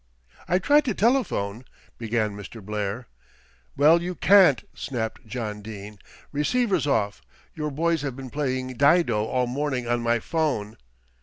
"I tried to telephone," began Mr. Blair. "Well, you can't," snapped John Dene, "receiver's off. Your boys have been playing dido all morning on my 'phone."